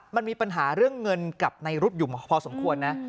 มันมีปัญหาเรื่องเงินกับในรุ๊ดอยู่พอสมควรนะ